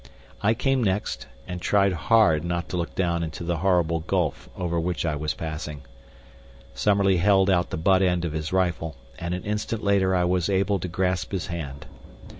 I came next, and tried hard not to look down into the horrible gulf over which I was passing. Summerlee held out the butt end of his rifle, and an instant later I was able to grasp his hand.